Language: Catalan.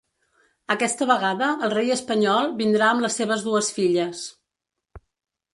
Aquesta vegada el rei espanyol vindrà amb les seves dues filles.